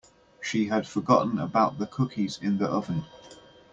She had forgotten about the cookies in the oven.